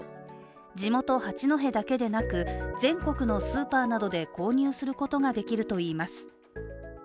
地元八戸だけでなく、全国のスーパーなどで購入することができるといいます。